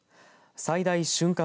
最大瞬間